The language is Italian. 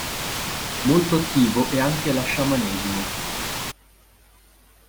Molto attivo è anche la sciamanesimo.